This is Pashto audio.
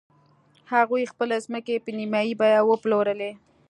هغوی خپلې ځمکې په نیمايي بیه وپلورلې.